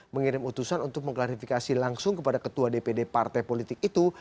mengirim utusan untuk mengklarifikasi langsung kepada ketua dpd partai politik itu